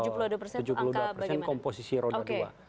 tujuh puluh dua persen komposisi roda dua